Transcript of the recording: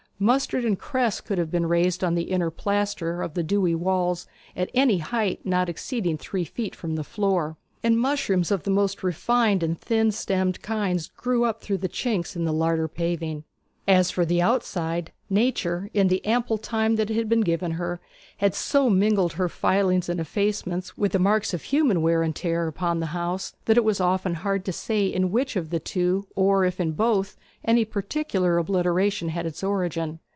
Mustard and cress could have been raised on the inner plaster of the dewy walls at any height not exceeding three feet from the floor; and mushrooms of the most refined and thin stemmed kinds grew up through the chinks of the larder paving. As for the outside, Nature, in the ample time that had been given her, had so mingled her filings and effacements with the marks of human wear and tear upon the house, that it was often hard to say in which of the two or if in both, any particular obliteration had its origin.